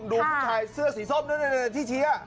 ดูคุณผู้ชายเสื้อสีส้มเนอะที่เชียร์